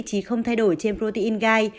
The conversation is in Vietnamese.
chỉ không thay đổi trên protein gai